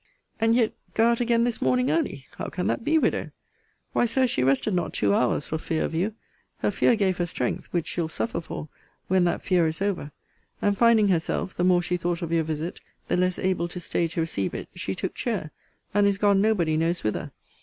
And yet go out again this morning early? How can that be, widow? Why, Sir, she rested not two hours, for fear of you. Her fear gave her strength, which she'll suffer for, when that fear is over. And finding herself, the more she thought of your visit, the less able to stay to receive it, she took chair, and is gone nobody knows whither.